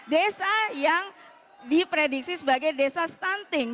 desa yang diprediksi sebagai desa stunting